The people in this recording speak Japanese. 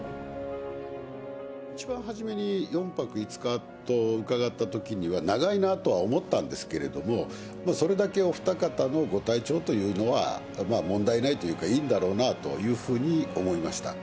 一番初めに４泊５日と伺ったときには、長いなとは思ったんですけれども、それだけお二方のご体調というのは、問題ないというか、いいんだろうなというふうに思いました。